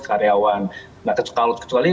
karyawan nah kecuali